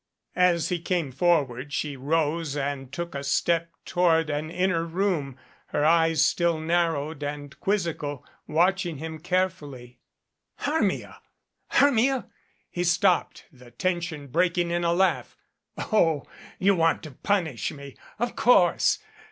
As he came forward she rose and took a step toward an inner room, her eyes still narrowed and quizzical, watching him care fully. "Hermia Hermia !" He stopped, the tension break ing in a laugh. "Oh, you want to punish me, of course.